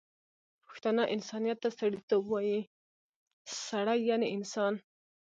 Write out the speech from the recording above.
پښتانه انسانیت ته سړيتوب وايي، سړی یعنی انسان